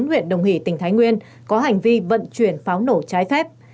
hùng hỷ tỉnh thái nguyên có hành vi vận chuyển pháo nổ trái phép